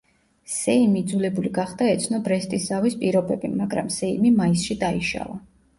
სეიმი იძულებული გახდა ეცნო ბრესტის ზავის პირობები, მაგრამ სეიმი მაისში დაიშალა.